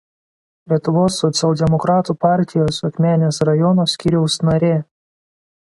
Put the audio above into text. Lietuvos socialdemokratų partijos Akmenės rajono skyriaus narė.